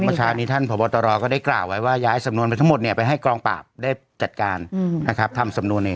เมื่อเช้านี้ท่านพบตรก็ได้กล่าวไว้ว่าย้ายสำนวนไปทั้งหมดเนี่ยไปให้กองปราบได้จัดการนะครับทำสำนวนเอง